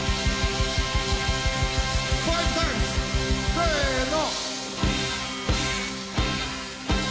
せの。